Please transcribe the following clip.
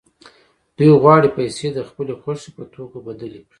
دوی غواړي پیسې د خپلې خوښې په توکو بدلې کړي